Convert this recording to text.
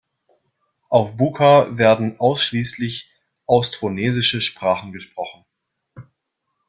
Auf Buka werden ausschließlich austronesische Sprachen gesprochen.